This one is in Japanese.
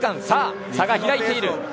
さあ、差が開いている。